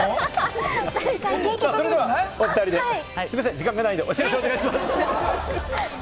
時間がないんで、お知らせお願いします！